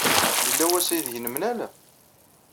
Yella wass aydeg nemlal?